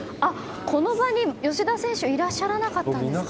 この場に吉田選手はいらっしゃらなかったんですね。